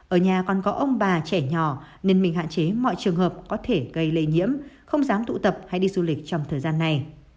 ở nhà còn có ông bà trẻ nhỏ nên mình hạn chế mọi trường hợp có thể gây lây nhiễm không dám tụ tập hay đi du lịch trong thời gian này